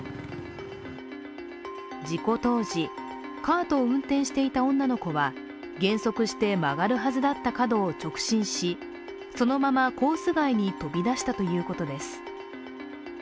事故当時、カートを運転していた女の子は減速して曲がるはずだった角を直進し、そのままコース外に飛び出したということです